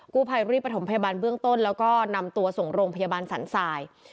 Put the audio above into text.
ผู้ภัยรีบประถมพยาบาลเบื้องต้นแล้วก็นำตัวส่งโรงพยาบาลสันสาย